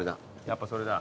やっぱそれだ。